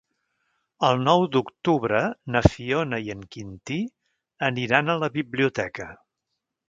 El nou d'octubre na Fiona i en Quintí aniran a la biblioteca.